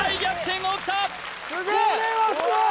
これはすごい！